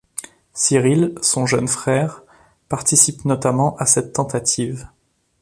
Cyril, son jeune frère, participe notamment à cette tentative.